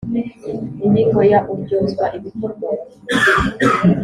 Ingingo ya uryozwa ibikorwa